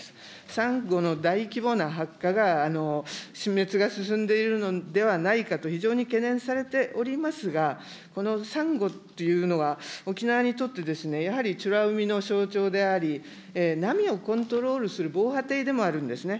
サンゴの大規模な白化が死滅が進んでいるのではないかと非常に懸念されておりますが、このサンゴというのは、沖縄にとって、やはり美ら海の象徴であり、波をコントロールする防波堤でもあるんですね。